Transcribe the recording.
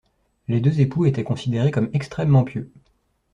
Les deux époux étaient considérés comme extrêmement pieux.